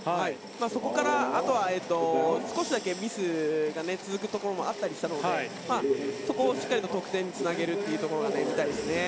そこからあとは、少しだけミスが続くところもあったりしたのでそこをしっかりと得点につなげるところが見たいですね。